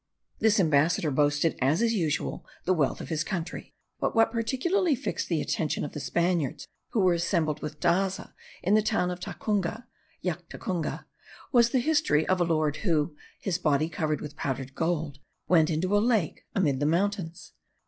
This ambassador boasted, as is usual, the wealth of his country; but what particularly fixed the attention of the Spaniards who were assembled with Daza in the town of Tacunga (Llactacunga), was the history of a lord who, his body covered with powdered gold, went into a lake amid the mountains.